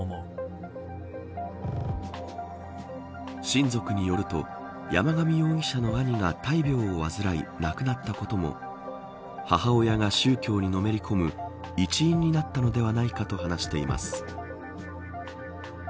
親族によると山上容疑者の兄が大病を患い亡くなったことも母親が宗教にのめり込む一因になったのではないかと話しています。